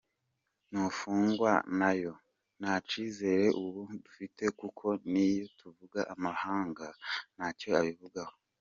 Ntungwanayo: …Nta cyizere ubu dufite kuko n’iyi tuvuga amahanga ntacyo abivugaho.